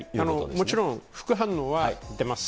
もちろん、副反応は出ます。